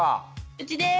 うちです。